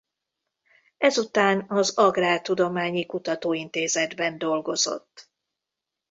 Ezután az Agrártudományi Kutatóintézetben dolgozott.